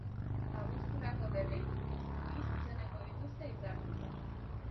Abuzturako, berriz, bi zuzeneko dituzte hitzartuta.